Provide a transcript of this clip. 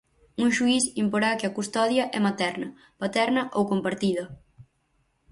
Un xuíz imporá que a custodia é materna, paterna ou compartida.